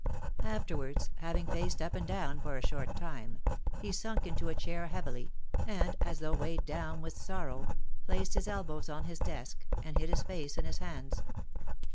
Afterwards, having paced up and down for a short time, he sunk into a chair heavily, and, as though weighed down with sorrow, placed his elbows on his desk, and hid his face in his hands.